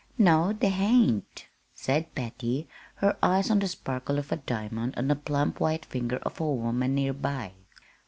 "No, they hain't," said Patty, her eyes on the sparkle of a diamond on the plump white finger of a woman near by.